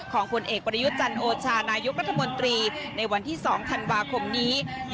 ของคนเอกปรยุจจันโอชานายุครัฐมนตรีในวันที่๒ธันวาคมนี้